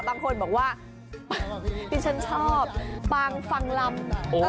บางคนบอกว่าดิฉันชอบปางฟังลำ